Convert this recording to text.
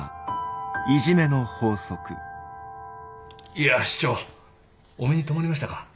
いや市長お目に留まりましたか。